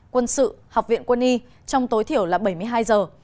quân sự học viện quân y trong tối thiểu là bảy mươi hai giờ